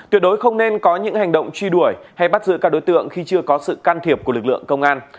tuyệt đối không nên có những hành động truy đuổi hay bắt giữ các đối tượng khi chưa có sự can thiệp của lực lượng công an